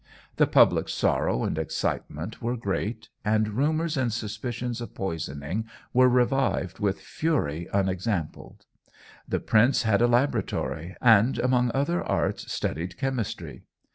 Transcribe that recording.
The public sorrow and excitement were great, and rumours and suspicions of poisoning were revived with fury unexampled. The prince had a laboratory, and among other arts studied chemistry.